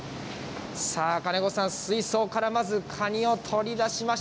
さあ、かねこさん、水槽からまず、カニを取り出しました。